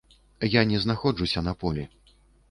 Я не знаходжуся на полі.